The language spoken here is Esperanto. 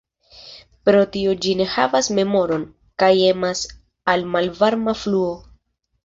Pro tio ĝi ne havas memoron, kaj emas al malvarma fluo.